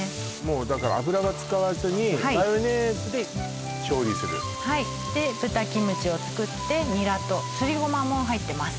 だから油は使わずにマヨネーズで調理するはいで豚キムチを作ってニラとすりゴマも入ってます